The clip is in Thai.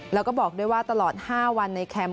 แล้วก็บอกด้วยว่าตลอด๕วันในแคมป